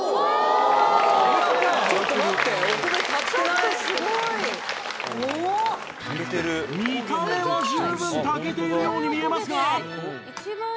見た目は十分炊けているように見えますが